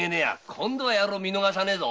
今度は見逃さねえぞ。